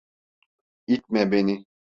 İtme beni.